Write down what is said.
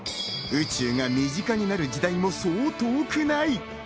宇宙が身近になる時代もそう遠くない。